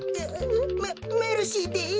メメルシーです。